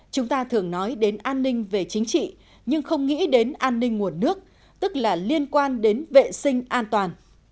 chúng ta thường nói đến an ninh về chính trị nhưng không nghĩ đến an ninh nguồn nước tức là liên quan đến vệ sinh an toàn